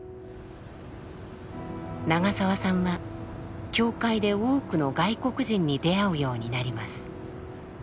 長澤さんは教会で多くの外国人に出会うようになります。